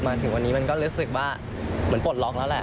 มาถึงวันนี้มันก็รู้สึกว่าเหมือนปลดล็อกแล้วแหละ